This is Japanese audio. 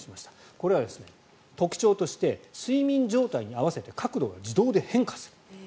これは特徴として睡眠状態に合わせて角度が自動で変化する。